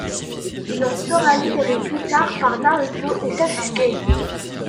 Il en sera libéré plus tard par Naruto et Sasuke.